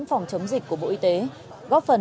phòng chống dịch của bộ y tế góp phần